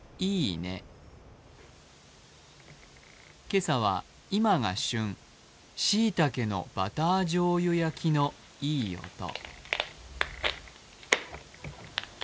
今朝は今が旬、しいたけのバターじょうゆ焼きのいい音。